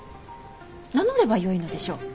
名乗ればよいのでしょう。